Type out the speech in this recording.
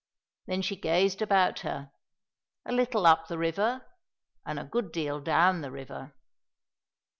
Then she gazed about her; a little up the river and a good deal down the river.